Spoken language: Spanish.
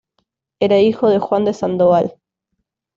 Era hijo de Juan de Sandoval.